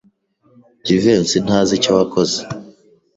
Jivency ntazi icyo wakoze.